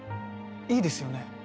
いいですよね？